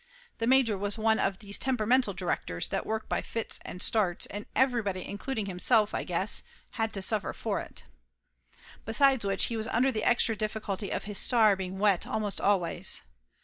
The major was one of these tem peramental directors that work by fits and starts, and everybody including himself, I guess, had to suffer for it. Besides which he was under the extra difficulty of his star being wet almost always.